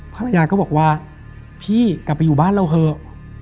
ภรรยาก็บอกว่าพี่กลับไปอยู่บ้านเราเถอะ